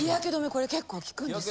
これ結構効くんですよ。